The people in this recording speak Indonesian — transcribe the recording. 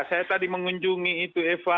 saya tadi mengunjungi itu eva